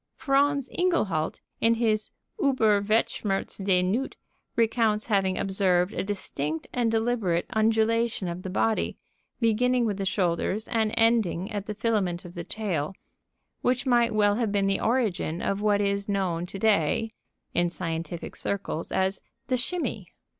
Franz Ingehalt, in his "Über Weltschmerz des Newt," recounts having observed a distinct and deliberate undulation of the body, beginning with the shoulders and ending at the filament of the tail, which might well have been the origin of what is known to day in scientific circles as "the shimmy."